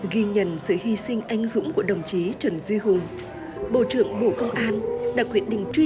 ghi nhận sự hy sinh anh dũng của đồng chí trần duy hùng bộ trưởng bộ công an đã quyết định truy